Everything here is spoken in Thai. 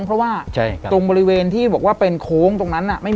ประมาณนั้น